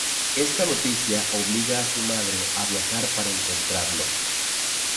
Esta noticia obliga a su madre a viajar para encontrarlo.